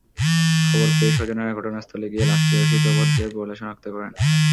খবর পেয়ে স্বজনেরা ঘটনাস্থলে গিয়ে লাশটি অসিত ভদ্রের বলে শনাক্ত করেন।